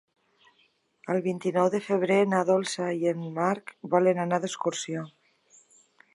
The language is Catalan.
El vint-i-nou de febrer na Dolça i en Marc volen anar d'excursió.